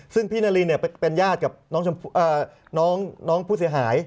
ซึ่งพี่นารินเป็นญาติกับน้องผู้เสียหาย